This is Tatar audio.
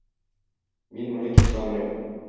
Мин моны кисә алмыйм.